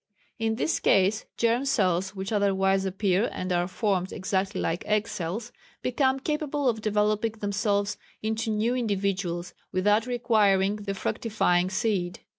In this case germ cells which otherwise appear and are formed exactly like egg cells, become capable of developing themselves into new individuals without requiring the fructifying seed.